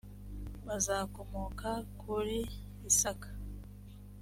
bazakomoka kuri isaka